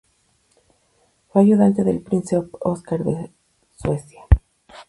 Fue ayudante del Príncipe Oscar de Suecia.